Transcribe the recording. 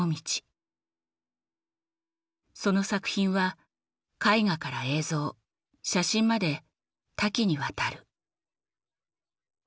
その作品は絵画から映像写真まで多岐にわたる。